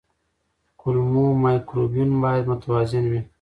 کولمو مایکروبیوم باید متوازن وي.